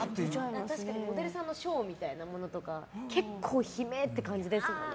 モデルさんのショーみたいな結構悲鳴って感じですもんね。